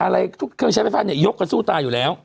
เครื่องใช้แผนฟ่านเนี่ยยกกับซู่ตาอยู่แล้ว